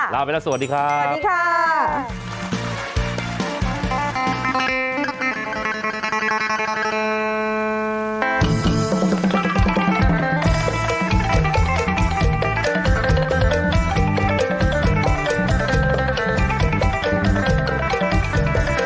ลาไปแล้วสวัสดีค่ะสวัสดีค่ะสวัสดีค่ะ